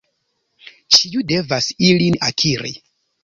Ĉiu devas ilin akiri.